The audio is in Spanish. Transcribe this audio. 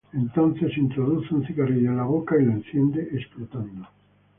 Entonces introduce un cigarrillo en la boca y lo enciende, explotando.